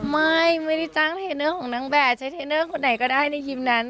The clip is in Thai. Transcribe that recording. ไม่ได้จ้างเทรนเนอร์ของนางแบบใช้เทรนเนอร์คนไหนก็ได้ในทีมนั้น